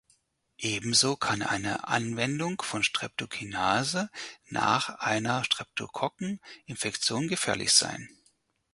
Ebenso kann eine Anwendung von Streptokinase nach einer Streptokokken-Infektion gefährlich sein.